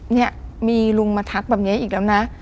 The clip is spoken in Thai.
เนี่ยมีลุงมาทักแบบนี้อีกแล้วนะ